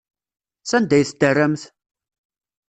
Sanda ay t-terramt?